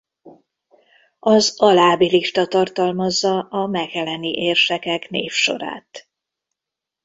Az alábbi lista tartalmazza a mecheleni érsekek névsorát.